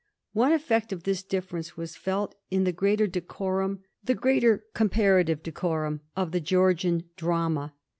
One effect of this dif . ference was felt in the greater decorum, the greater com parative decorum, of the Georgian drama.